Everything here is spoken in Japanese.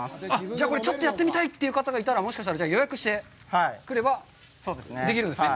じゃあこれ、ちょっとやってみたいという方は、もしかしたら、予約してくれば、できるんですね？